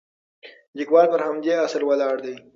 لیکوال پر همدې اصل ولاړ دی.